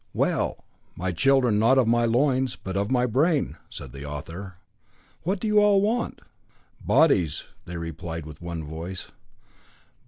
"Well, my children, not of my loins, but of my brain," said the author. "What do you all want?" "Bodies," they replied with one voice.